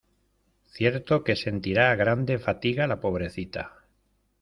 cierto que sentirá grande fatiga la pobrecita.